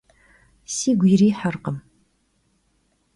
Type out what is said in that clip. Sigu yirıhırkhım.